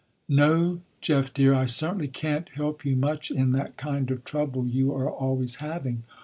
"No, Jeff, dear, I certainly can't help you much in that kind of trouble you are always having.